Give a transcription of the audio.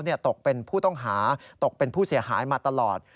ตกเป็นผู้ต้องหาตกเป็นผู้เสียหายมาตลอด